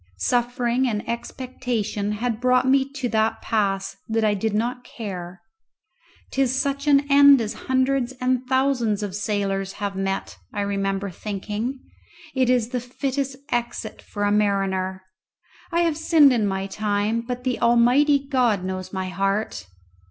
Suffering and expectation had brought me to that pass that I did not care. "'Tis such an end as hundreds and thousands of sailors have met," I remember thinking; "it is the fittest exit for a mariner. I have sinned in my time, but the Almighty God knows my heart."